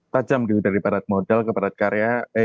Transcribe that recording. tajam gitu dari barat modal ke barat karya